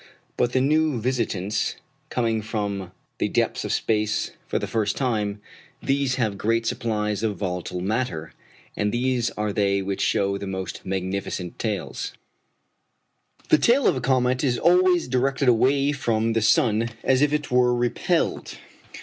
But the new visitants, coming from the depths of space for the first time these have great supplies of volatile matter, and these are they which show the most magnificent tails. [Illustration: FIG. 101. Head of Donati's comet of 1858.] The tail of a comet is always directed away from the sun as if it were repelled.